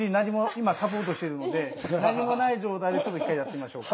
今サポートしてるので何もない状態でちょっと一回やってみましょうか。